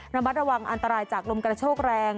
ระมัดระวังอันตรายจากลมกระโชกแรง